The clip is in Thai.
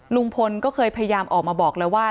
ลุงพลก็เคยพยายามออกมาบอกเลยว่า